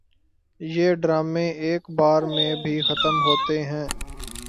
یہ ڈرامے ایک بار میں بھی ختم ہوتے ہیں